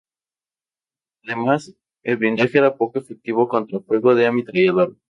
Además, el blindaje era poco efectivo contra fuego de ametralladora.